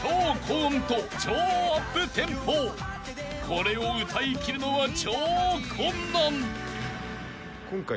［これを歌いきるのは超困難］